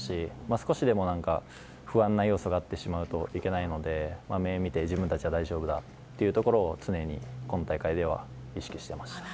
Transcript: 少しでも不安な要素があるといけないので目を見て自分たちは大丈夫だというところを今大会では意識していました。